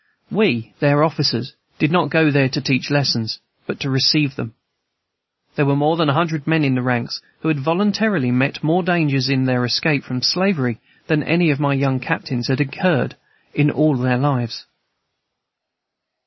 We, their officers, did not go there to teach lessons, but to receive them. There were more than a hundred men in the ranks who had voluntarily met more dangers in their escape from slavery than any of my young captains had incurred in all their lives.